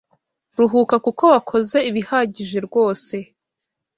Ruhuka kuko wakoze ibihagije rwose